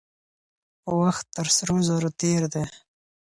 وخت تر سرو زرو تېر دی.